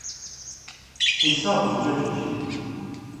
His son was Jojachin.